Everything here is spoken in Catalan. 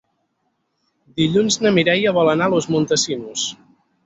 Dilluns na Mireia vol anar a Los Montesinos.